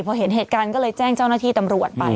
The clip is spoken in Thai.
พอเห็นเหตุการณ์ก็เลยแจ้งเจ้าหน้าที่ตำรวจไป